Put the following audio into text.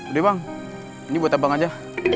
udah bang ini buat abang aja